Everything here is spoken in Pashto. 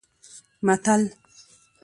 متل: